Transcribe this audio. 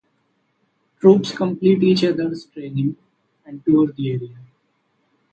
Troops complete each other's training, and tour the area.